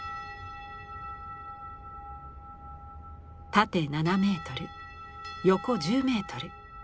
縦７メートル横１０メートル。